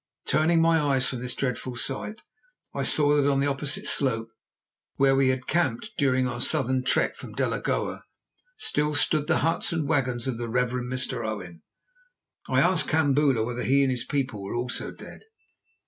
Turning my eyes from this dreadful sight, I saw that on the opposite slope, where we had camped during our southern trek from Delagoa, still stood the huts and wagons of the Reverend Mr. Owen. I asked Kambula whether he and his people were also dead.